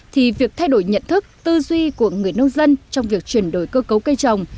thì việc thay đổi nhận thức tư duy của người nông dân trong việc chuyển đổi cơ cấu cây trồng